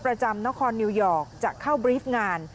ประจำนครนิวยอร์กจะเข้าบรีฟงาน